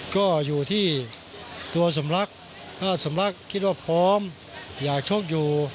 ก็อยู่ที่ตัวสำลักถ้าสำลักคิดว่าพร้อมอยากชกอยู่